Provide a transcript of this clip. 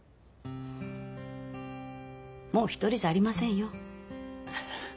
もう１人じゃありませんよ。